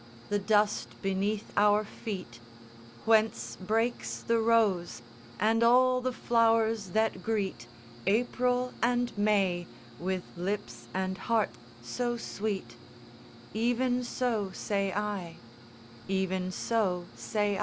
The dust beneath our feet, Whence breaks the rose and all the flowers that greet April and May with lips and heart so sweet; Even so say I; Even so say I.